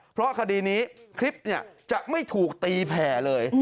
เพราะคดีนี้คลิปจะไม่ถูกตีแผ่เลย